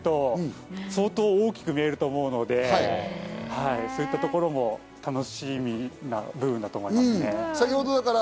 あと、現地で見ていただくと相当大きく見えると思うので、そういったところも楽しみな部分だと思いますね。